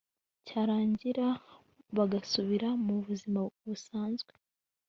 cyarangira bagasubira mu buzima busanzwe